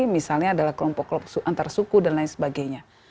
misalnya adalah kelompok kelompok antarsuku dan lain sebagainya